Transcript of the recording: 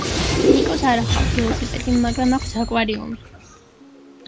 ნიკოს არა ჰყავს ველოსიპედი მაგრამ აქვს აკვარიუმი.